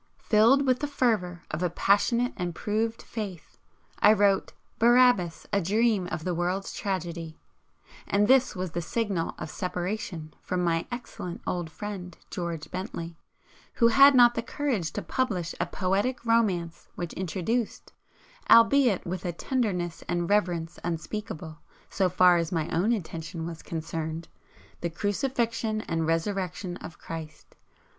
Filled with the fervour of a passionate and proved faith, I wrote "Barabbas: A Dream of the World's Tragedy," and this was the signal of separation from my excellent old friend, George Bentley, who had not the courage to publish a poetic romance which introduced, albeit with a tenderness and reverence unspeakable, so far as my own intention was concerned, the Crucifixion and Resurrection of Christ.